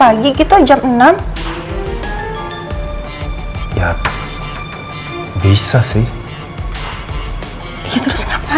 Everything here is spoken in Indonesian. ah saya pernah ber cubeflaw